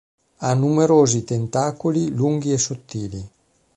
Ha numerosi tentacoli lunghi e sottili.